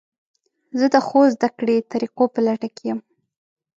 زه د ښو زده کړې طریقو په لټه کې یم.